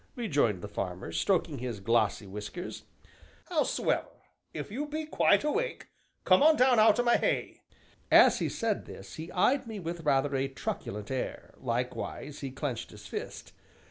rejoined the farmer, stroking his glossy whiskers, "hows'ever, if you be quite awake, come on down out o' my hay." As he said this he eyed me with rather a truculent air, likewise he clenched his fist.